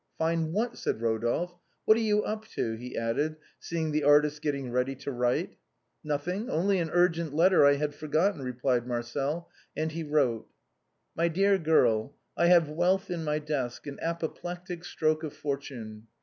"Find what?" said Kodolphe. "What are you up to?" he added, seeing the artist getting ready to write. " Nothing, only an urgent letter I had forgotten," re plied Marcel ; and he wrote :— "My dear girl, " I have wealth in my desk, an apoplectic stroke of fortune.